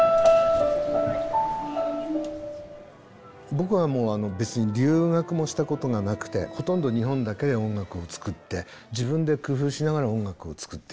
僕はもう別に留学もしたことがなくてほとんど日本だけで音楽を作って自分で工夫しながら音楽を作ってきた。